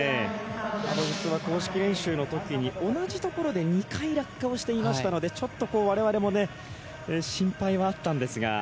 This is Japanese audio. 実は公式練習の時に同じところで２回落下をしていましたのでちょっと我々も心配はあったんですが。